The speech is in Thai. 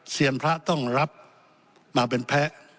เซียนพระต้องรับมาเป็นแพ้